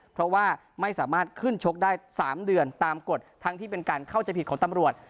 เพราะว่าไม่สามารถขึ้นชกได้๓เดือนตามกฎทั้งที่เป็นการเข้าใจผิดของตำรวจ